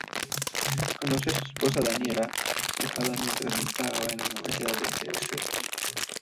Conoció a su esposa Daniela Tejada mientras estaba en la Universidad de Exeter.